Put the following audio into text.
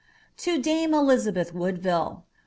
"To Jame Elizabeih Wodoiille.